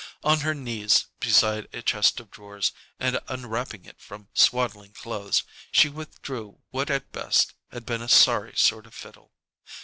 On her knees beside a chest of drawers, and unwrapping it from swaddling clothes, she withdrew what at best had been a sorry sort of fiddle.